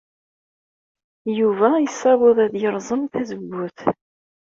Yuba yessaweḍ ad yerẓem tazewwut.